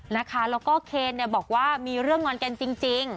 แล้วก็เคนบอกว่ามีเรื่องงอนกันจริง